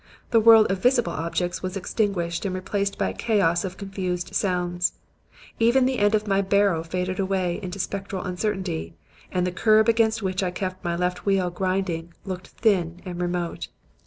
The world of visible objects was extinguished and replaced by a chaos of confused sounds. Even the end of my barrow faded away into spectral uncertainty, and the curb against which I kept my left wheel grinding looked thin and remote.